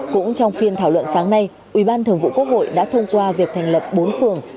cũng trong phiên thảo luận sáng nay ubthq đã thông qua việc thành lập bốn phường